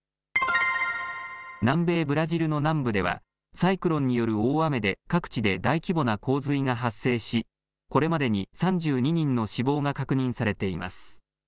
南米ブラジルの南部ではサイクロンによる大雨で各地で大規模な洪水が発生しこれまでに３２人の死亡が確認されています。